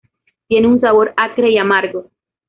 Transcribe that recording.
Tiene un sabor acre y amargo.